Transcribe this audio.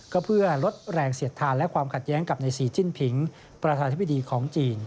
ก็เพื่อลดแรงเสียดทานและความขัดแย้งกับในศรีจิ้นผิงประธานธิบดีของจีน